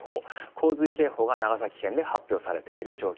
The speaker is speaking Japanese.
洪水警報が長崎県で発表されています。